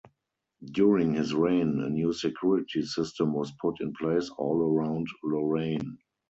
During his reign a new security system was put in place all around Lorraine.